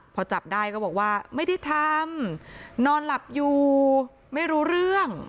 พอจับได้ก็บอกว่าไม่ได้ทำนอนหลับอยู่ไม่รู้เรื่อง